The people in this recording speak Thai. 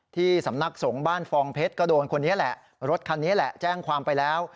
ที่สำนักสงฆ์บ้านฟองเพชรก็โดนคนนี้แหละรถคันนี้แหละแจ้งความไปแล้ว